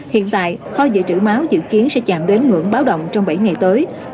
hiện tại kho dự trữ máu dự kiến sẽ chạm đến ngưỡng báo động trong bảy ngày tới